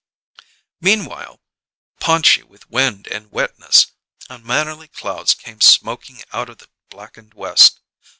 Meanwhile, paunchy with wind and wetness, unmannerly clouds came smoking out of the blackened west.